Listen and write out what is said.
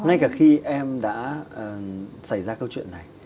ngay cả khi em đã xảy ra câu chuyện này